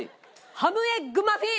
ハムエッグマフィン。